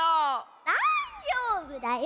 だいじょうぶだよ。